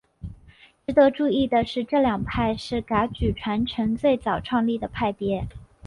值得注意的是这两派是噶举传承最早创立的派别。